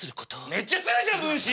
めっちゃ強いじゃん分身！